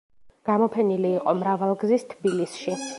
გამოფენილი იყო: მრავალგზის თბილისში.